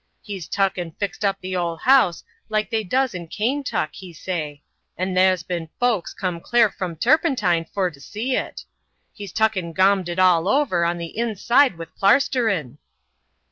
He's tuck an' fixed up the ole house like they does in Kaintuck, he say, an' tha's ben folks come cler from Turpentine for to see it. He's tuck an gawmed it all over on the inside with plarsterin'."